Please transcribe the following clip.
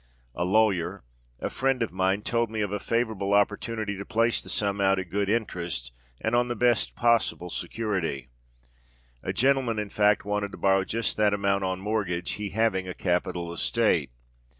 A lawyer—a friend of mine—told me of a favourable opportunity to place the sum out at good interest and on the best possible security. A gentleman, in fact, wanted to borrow just that amount on mortgage, he having a capital estate.